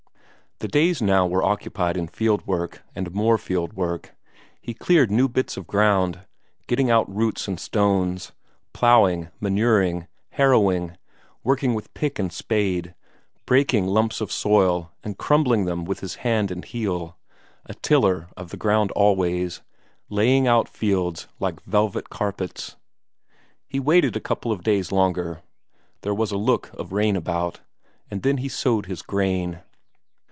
The days now were occupied in field work and more field work; he cleared new bits of ground, getting out roots and stones; ploughing, manuring, harrowing, working with pick and spade, breaking lumps of soil and crumbling them with hand and heel; a tiller of the ground always, laying out fields like velvet carpets. He waited a couple of days longer there was a look of rain about and then he sowed his corn.